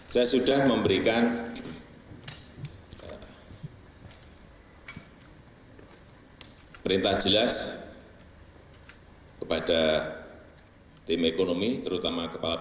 saya sudah memberikan perintah jelas kepada tim ekonomi terutama kepala bp